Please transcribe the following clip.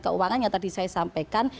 keuangannya tadi saya sampaikan